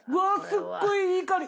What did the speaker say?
すっごいいい香り！